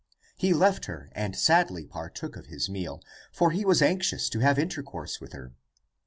He left her and sadly partook of his meal, for he was anxious to have intercourse with her.